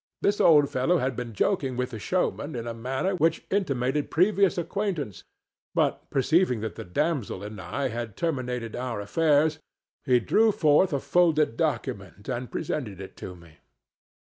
This old fellow had been joking with the showman in a manner which intimated previous acquaintance, but, perceiving that the damsel and I had terminated our affairs, he drew forth a folded document and presented it to me.